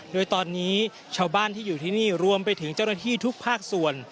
โดยตอนนี้ชาวบ้านที่อยู่ที่นี่รวมไปถึงเจ้าหน้าที่ทุกภาคส่วน